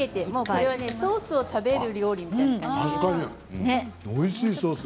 これはソースを食べる料理みたいです。